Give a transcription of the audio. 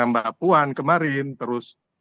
mbak puan kemarin terus